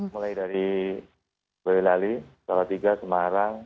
mulai dari boyolali salatiga semarang